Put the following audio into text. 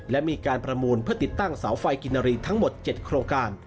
และมีการประมูลเพื่อติดตั้งเสาไฟกินนารีทั้งหมด๗โครงการ